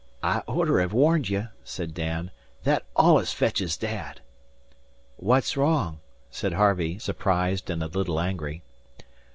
"I orter ha' warned you," said Dan. "Thet allus fetches Dad." "What's wrong?" said Harvey, surprised and a little angry.